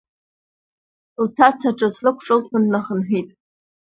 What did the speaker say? Лҭаца ҿыц лықәҿылҭуан, днахынҳәит.